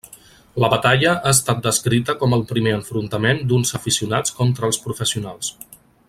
La batalla ha estat descrita com el primer enfrontament d'uns aficionats contra els professionals.